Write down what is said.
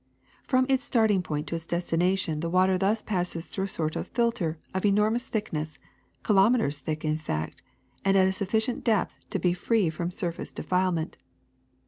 ^^From its starting point to its destination the wa ter thus passes through a sort of filter of enormous thickness, kilometers thick in fact, and at a sufficient depth to be free from surface defilement.